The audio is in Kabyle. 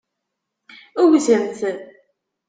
Wwtemt!